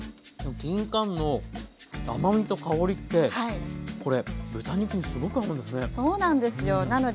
きんかんの甘みと香りってこれ豚肉にすごく合うんですね。